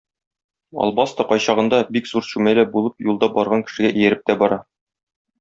Албасты, кайчагында, бик зур чүмәлә булып юлда барган кешегә ияреп тә бара.